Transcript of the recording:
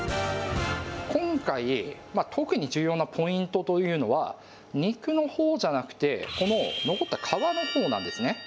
今回、特に重要なポイントというのは、肉のほうじゃなくて、この残った皮のほうなんですね。